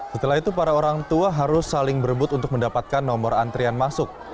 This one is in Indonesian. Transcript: setelah itu para orang tua harus saling berebut untuk mendapatkan nomor antrian masuk